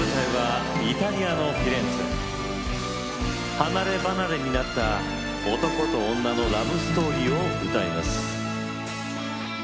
離れ離れになった男と女のラブストーリーを歌います。